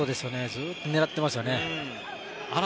ずっと狙っていますよね。